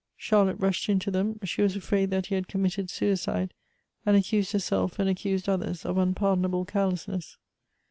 Charlotte rushed in to them; she was afraid that he had committed suicide, and accused herself and accused others of unpardonable carelessness.